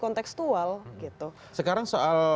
kontekstual gitu sekarang soal